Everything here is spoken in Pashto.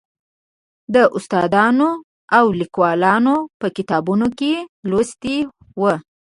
د استادانو او لیکوالو په کتابونو کې لوستی و.